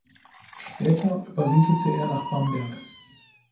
Später übersiedelte er nach Bamberg.